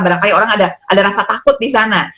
barangkali orang ada rasa takut di sana